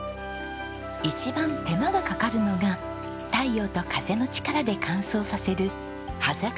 一番手間がかかるのが太陽と風の力で乾燥させるはざかけ米です。